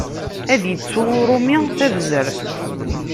Ad ittu uṛumi tabzert.